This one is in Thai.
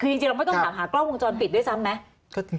คือจริงเราไม่ต้องถามหากล้องวงจรปิดด้วยซ้ำไหม